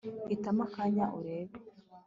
hitamo akanya urebe